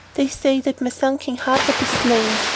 They say that my son King Hardub is slain."